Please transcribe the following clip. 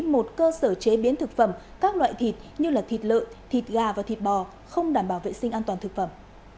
một cơ sở chế biến thực phẩm các loại thịt như thịt lợn thịt gà và thịt bò không đảm bảo vệ sinh an toàn thực phẩm